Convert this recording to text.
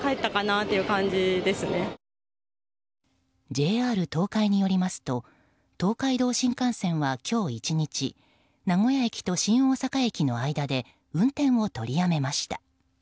ＪＲ東海によりますと東海道新幹線は今日１日名古屋駅と新大阪駅の間で運転を取りやめました。